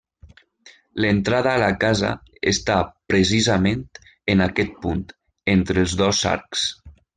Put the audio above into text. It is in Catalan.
L'entrada a la casa està precisament en aquest punt, entre els dos arcs.